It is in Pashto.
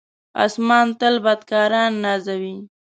آسمان تل بدکاران نازوي.